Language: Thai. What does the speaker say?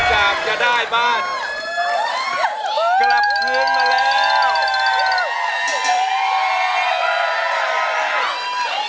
กลับกรุงมาแล้ว